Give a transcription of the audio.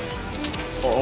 ああ。